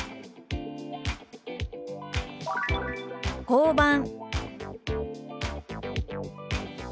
「交番」。